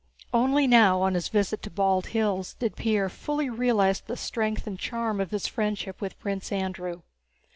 Only now, on his visit to Bald Hills, did Pierre fully realize the strength and charm of his friendship with Prince Andrew.